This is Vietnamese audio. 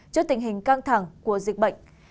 trước tình hình căng thẳng của dịch bệnh